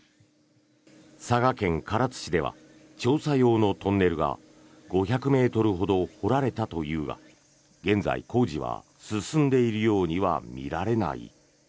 佐賀県唐津市では調査用のトンネルが５００ｍほど掘られたというが現在、工事は進んでいるようには見られない。